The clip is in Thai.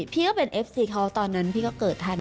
พี่ก็เป็นเอฟซีเขาตอนนั้นพี่ก็เกิดทัน